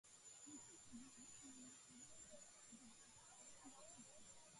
მისი წიგნების მილიონზე მეტი ეგზემპლარია გაყიდული.